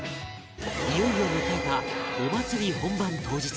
いよいよ迎えたお祭り本番当日